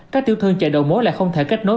các tiểu thương chợ đầu mối lại không thể kết nối